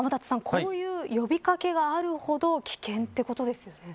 こういう呼び掛けがあるほど危険ということですよね。